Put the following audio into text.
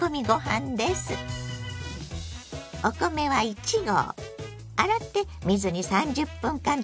お米は１合。